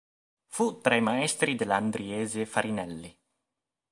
Fu tra i maestri dell'andriese Farinelli.